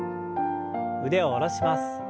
腕を下ろします。